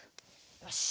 よし。